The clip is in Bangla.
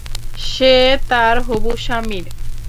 সে তার হবু স্বামীর।